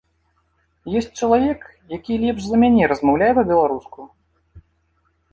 Ёсць чалавек, які лепш за мяне размаўляе па-беларуску.